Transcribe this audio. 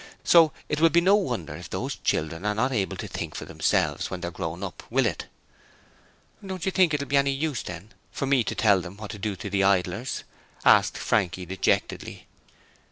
So it will be no wonder if those children are not able to think for themselves when they're grown up, will it?' 'Don't you think it will be any use, then, for me to tell them what to do to the Idlers?' asked Frankie, dejectedly.